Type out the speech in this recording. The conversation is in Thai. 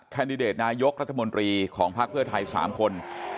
แดดิเดตนายกรัฐมนตรีของภักดิ์เพื่อไทย๓คน